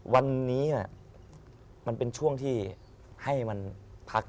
วันนี้มันเป็นช่วงที่ให้มันพัก